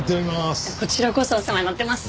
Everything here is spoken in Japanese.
こちらこそお世話になってます。